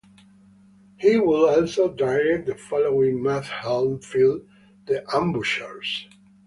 He would also direct the following Matt Helm film, "The Ambushers".